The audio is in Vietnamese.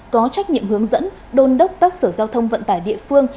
có trách nhiệm hướng dẫn đôn đốc các sở giao thông vận tải địa phương